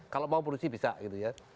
kalau mau polisi bisa gitu ya